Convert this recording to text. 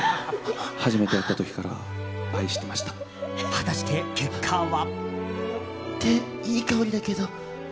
果たして結果は。